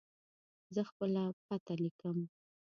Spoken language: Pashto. زه خپله پته لیکم.